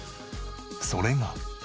それが。